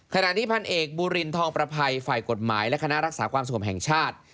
ขณะที่พันเอกบูรินทองประภัยฝ่ายกฎหมายและคณะรักษาความสงบแห่งชาติ